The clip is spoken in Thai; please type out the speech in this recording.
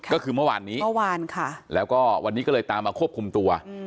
ก็คือเมื่อวานนี้แล้ววันนี้ก็เลยตามมาควบคุมตัว